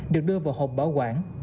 được đưa vào hộp bảo quản